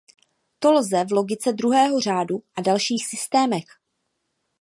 To lze v logice druhého řádu a dalších systémech.